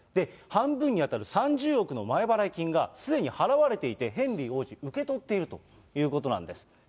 半分に当たる３０億の前払い金がすでに払われていて、ヘンリー王子、受け取っているということなんです。